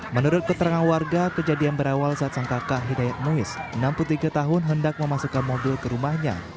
menurut keterangan warga kejadian berawal saat sang kakak hidayat nuis enam puluh tiga tahun hendak memasukkan mobil ke rumahnya